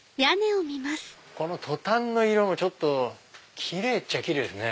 このトタンの色もキレイっちゃキレイですね。